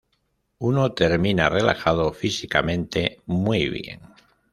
Uno termina relajado, físicamente muy bien.